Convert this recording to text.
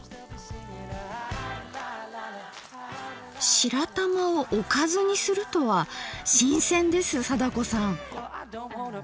白玉をおかずにするとは新鮮です貞子さん。